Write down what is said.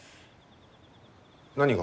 何が？